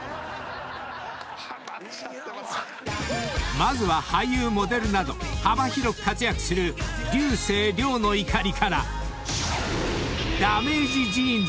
［まずは俳優モデルなど幅広く活躍する竜星涼の怒りから］